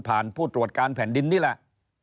ผู้ตรวจการแผ่นดินนี่แหละ